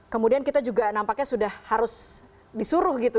kemudian kita juga nampaknya sudah harus disuruh gitu